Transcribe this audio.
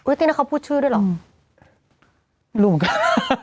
อุ๊ยที่นี่เขาพูดชื่อด้วยหรอไม่รู้เหมือนกัน